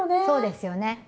そうですよね。